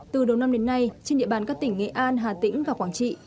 từ đầu năm đến nay trên địa bàn các tỉnh nghệ an hà tĩnh và quảng trị